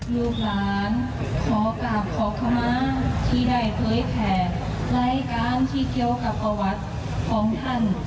ลูกหลานขอกราบขอขมาที่ได้เผยแผ่รายการที่เกี่ยวกับประวัติของท่าน